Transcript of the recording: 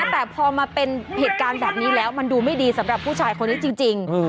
แต่พอมาเป็นเหตุการณ์แบบนี้แล้วมันดูไม่ดีสำหรับผู้ชายคนนี้จริง